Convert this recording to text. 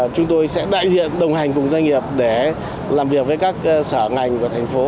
chúng tôi sẽ đại diện đồng hành cùng doanh nghiệp để làm việc với các sở ngành của thành phố